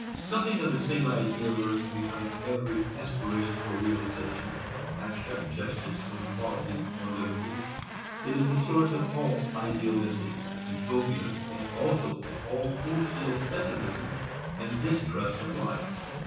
Something of the same idea lurks behind every aspiration for realization of abstract justice or equality or liberty. It is the source of all "idealistic" utopias and also of all wholesale pessimism and distrust of life.